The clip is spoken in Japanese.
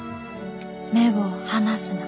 目を離すな。